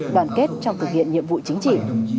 đoàn kết trong thực hiện nhiệm vụ chính trị